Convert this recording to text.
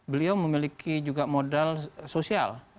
beliau memiliki juga modal sosial